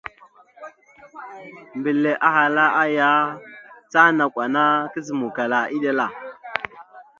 Mbile ahala aya ya, ca nakw ana kazǝmawkala eɗel a.